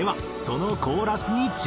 そのコーラスに注目。